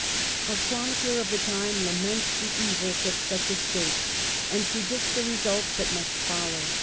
A chronicler of the time laments the evils of such a state and predicts the results that must follow.